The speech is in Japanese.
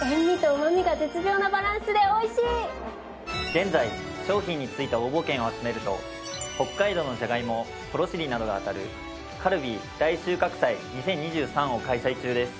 現在商品についた応募券を集めると北海道のじゃがいもぽろしりなどが当たるカルビー大収穫祭２０２３を開催中です。